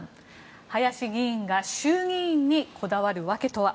林議員が衆議院にこだわる訳とは。